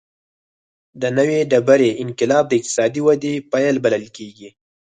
د نوې ډبرې انقلاب د اقتصادي ودې پیل بلل کېږي.